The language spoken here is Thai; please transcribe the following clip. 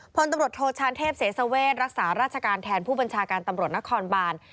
พตโทรชาญเทพเสสเวชรักษาราชการแทนผู้บัญชาการตนครบาล